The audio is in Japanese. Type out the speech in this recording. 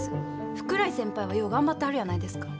福来先輩はよう頑張ってはるやないですか。